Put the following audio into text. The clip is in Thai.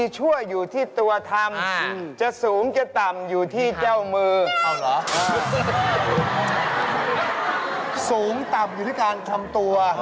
สูงต่ำอยู่ที่การทำตัว